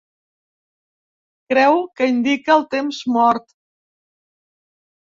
Creu que indica el temps mort.